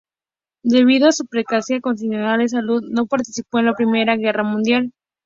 Debido a su precaria condición de salud, no participó en la Primera Guerra Mundial.